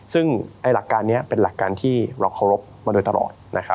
ซึ่งหลักการนี้เป็นหลักการที่เราเคารพมาโดยตลอดนะครับ